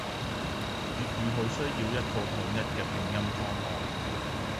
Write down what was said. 粵語好需要一套統一嘅拼音方案